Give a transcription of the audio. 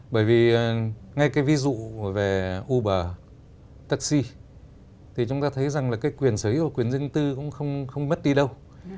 bởi vì ngay cái ví dụ về uber taxi thì chúng ta thấy rằng là cái quyền sở hữu và quyền dương tư cũng không mất đi đâu